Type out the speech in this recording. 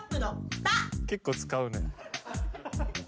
結構使うね。